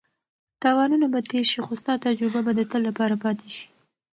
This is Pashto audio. تاوانونه به تېر شي خو ستا تجربه به د تل لپاره پاتې شي.